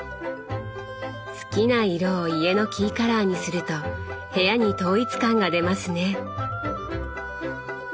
好きな色を家のキーカラーにすると部屋に統一感が出ますね。